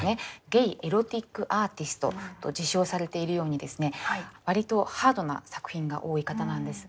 ゲイ・エロティック・アーティストと自称されているようにですね割とハードな作品が多い方なんです。